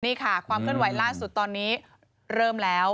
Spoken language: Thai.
นี่ค่ะความเคลื่อนไหวล่าสุดตอนนี้เริ่มแล้ว